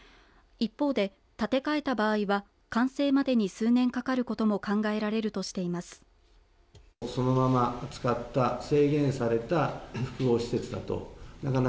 一方で建て替えた場合は完成までに数年かかることも考えられるとしています。